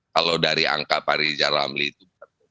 kalau dari angka pak rizal ramli itu